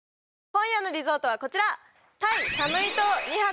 今夜のリゾートはこちら！